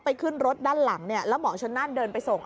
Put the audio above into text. ไปขึ้นรถด้านหลังแล้วหมอชนานเดินไปส่ง